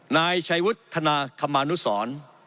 นายชัยวุฒนาคมานุสร